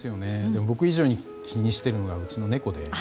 でも、僕以上に気にしているのがうちの猫で。